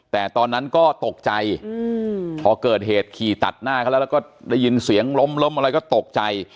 แต่ตอนนั้นก็ตกใจขี่ตัดหน้าเขาแล้วได้ยินเสียงล้มก็ตกใจ